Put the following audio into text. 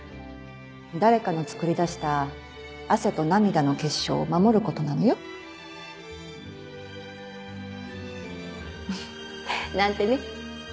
誰かのつくり出した汗と涙の結晶を守ることなのよ。なんてね。